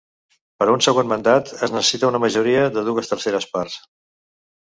Per a un segon mandat, es necessita una majoria de dues terceres parts.